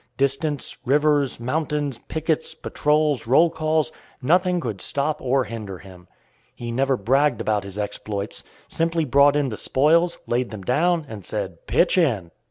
Distance, rivers, mountains, pickets, patrols, roll calls, nothing could stop or hinder him. He never bragged about his exploits; simply brought in the spoils, laid them down, and said, "Pitch in."